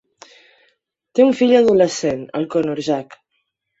Té un fill adolescent, el Conor Jack.